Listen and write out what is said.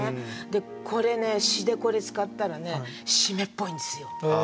これね詩でこれ使ったらね湿っぽいんですよ。